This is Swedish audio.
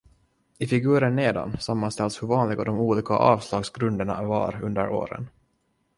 I figuren nedan sammanställs hur vanliga de olika avslagsgrunderna var under åren.